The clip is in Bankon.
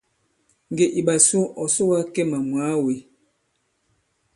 Ŋgè i ɓasu ɔ̀ soga Kemà mwàa wē.